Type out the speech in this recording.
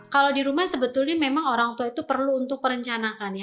kalau di rumah sebetulnya memang orang tua itu perlu untuk merencanakan ya